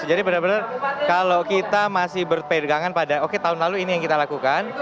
jadi benar benar kalau kita masih berpedagangan pada oke tahun lalu ini yang kita lakukan